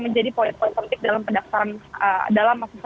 menjadi poin poin penting dalam